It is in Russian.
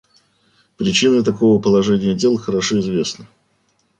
Причины такого положения дел хорошо известны.